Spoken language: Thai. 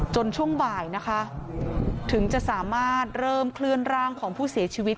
ช่วงบ่ายนะคะถึงจะสามารถเริ่มเคลื่อนร่างของผู้เสียชีวิต